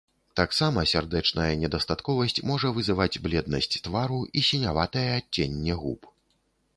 Таксама сардэчная недастатковасць можа вызываць бледнасць твару і сіняватае адценне губ.